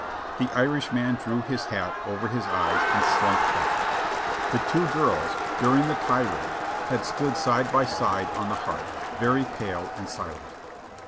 The Irishman drew his hat over his eyes and slunk back. The two girls, during the tirade, had stood side by side on the hearth, CAPTURED AGAIN 505 very pale and silent.